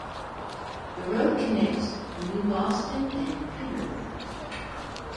The road connects New Boston and Peterborough.